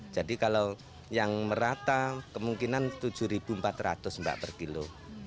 jadi kalau yang merata kemungkinan rp tujuh empat ratus per kilo